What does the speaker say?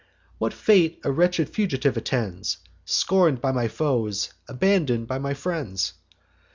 What fate a wretched fugitive attends, Scorn'd by my foes, abandon'd by my friends?